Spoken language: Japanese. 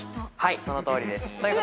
そのとおりです。